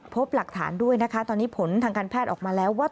พบหลักฐานด้วยนะคะตอนนี้ผลทางการแพทย์ออกมาแล้วว่า